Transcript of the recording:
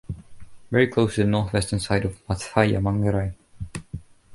Very close to the north-western side of Wat Phaya Mangrai.